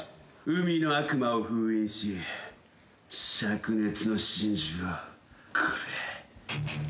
海の悪魔を封印し灼熱の真珠をくれ。